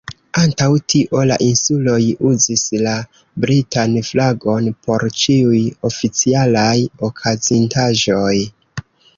Antaŭ tio, la Insuloj uzis la britan flagon por ĉiuj oficialaj okazintaĵoj.